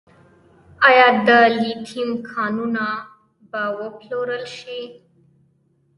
آیا د لیتیم کانونه به وپلورل شي؟